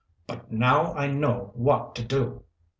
"But now I know what to do."